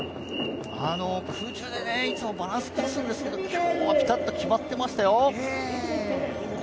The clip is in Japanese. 空中でいつもバランス崩すんですけど今日はピタッと決まっていましたよ。